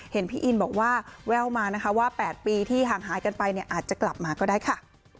เห็นพี่อินบอกว่าแววมานะคะว่า๘ปีที่ห่างหายกันไปเนี่ยอาจจะกลับมาก็ได้ค่ะ